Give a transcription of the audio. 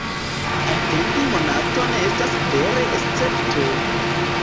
Atendi monaton estas vere escepto!